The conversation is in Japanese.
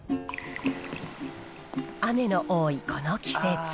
雨の多いこの季節。